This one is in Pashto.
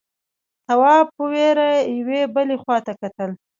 تواب په وېره يوې بلې خواته کتل…